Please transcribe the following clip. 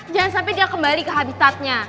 jangan sampai dia kembali ke habitatnya